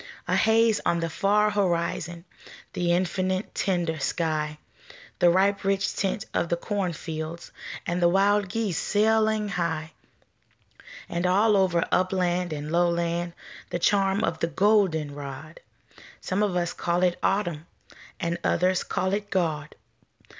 A haze on the far horizon, The infinite, tender sky, The ripe rich tint of the cornfileds, And the wild geese sailing high And all over upland and lowland The charm of the golden rod Some of us call it Autumn And others call it God.